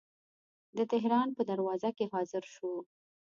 د تهران په دروازه کې حاضر شو.